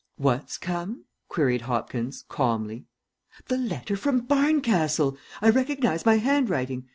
"What's come?" queried Hopkins, calmly. "The letter from Barncastle. I recognize my handwriting.